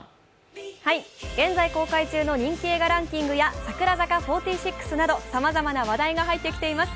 現在公開中の人気映画ランキングや櫻坂４６などさまざまな話題が入ってきています